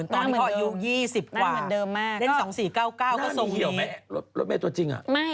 ตัวจริงอ่ะ